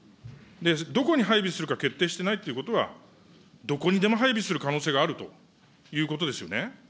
どこに配備するか決定していないということは、どこにでも配備する可能性があるということですよね。